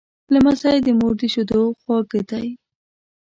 لمسی د مور د شیدو خواږه دی.